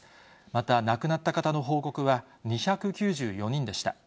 また亡くなった方の報告は２９４人でした。